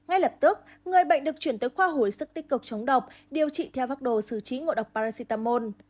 ngay lập tức người bệnh được chuyển tới khoa hồi sức tích cực chống độc điều trị theo pháp đồ xử trí ngộ độc paracetamol